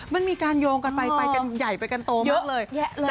มันมีการโยงกันไปไปกันใหญ่ไปกันโตเยอะเลย